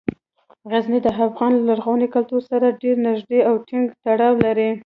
غزني د افغان لرغوني کلتور سره ډیر نږدې او ټینګ تړاو لري.